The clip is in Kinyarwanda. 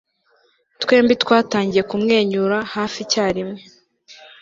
Twembi twatangiye kumwenyura hafi icyarimwe